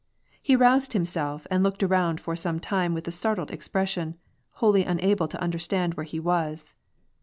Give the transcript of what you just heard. He aroused himself, and looked around for some time with a startled expression, wholly unable to understand where he was.